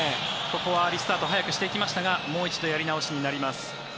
ここはリスタート早くしていきましたがもう一度やり直しになります。